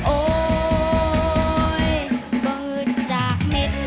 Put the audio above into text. โอ้ยบ่งืดจากเม็ดมือ